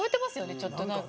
ちょっと、なんか。